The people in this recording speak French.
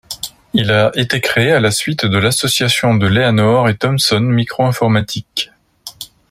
Il a été créé à la suite de l'association de Léanord et Thomson Micro-Informatique.